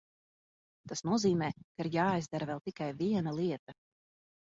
Tas nozīmē, ka ir jāizdara vēl tikai viena lieta.